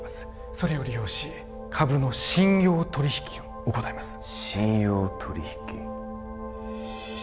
それを利用し株の信用取引を行います信用取引？